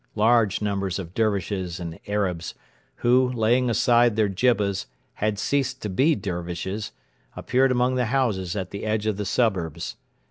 Large numbers of Dervishes and Arabs, who, laying aside their jibbas, had ceased to be Dervishes, appeared among the houses at the edge of the suburbs.